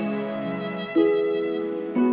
ibu kacang kecambar